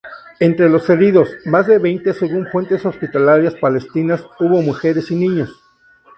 Entre los heridos, más de veinte según fuentes hospitalarias palestinas, hubo mujeres y niños.